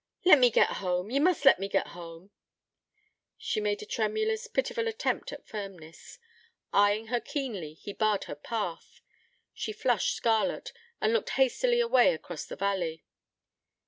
'Let me get home... you must let me get home.' She made a tremulous, pitiful attempt at firmness. Eyeing her keenly, he barred her path: she flushed scarlet, and looked hastily away across the valley.